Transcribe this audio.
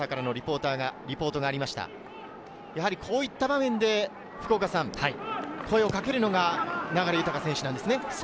こういった場面で声をかけるのが、流大選手なんですね。